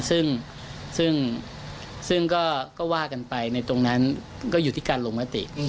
ซึ่งก็ว่ากันไปในตรงนั้นก็อยู่ที่การลงมติ